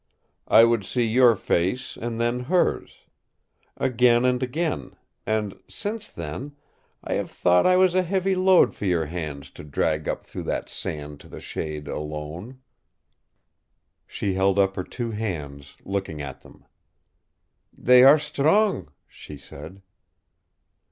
I would see your face and then hers, again and again and since then I have thought I was a heavy load for your hands to drag up through that sand to the shade alone." She held up her two hands, looking at them. "They are strong," she said.